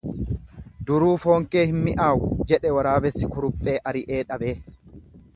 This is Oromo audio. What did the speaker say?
Duruu foon kee hin mi'aawu jedhe waraabessi kuruphee ari'atee dhabee.